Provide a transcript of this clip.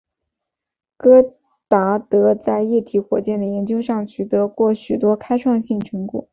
戈达德在液体火箭的研究上取得过很多开创性成果。